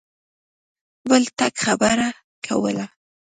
بل ټک خبره کوله.